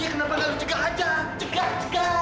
ya kenapa gak harus cekak aja